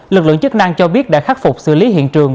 lực lượng chức năng cho biết đã khắc phục xử lý hiện trường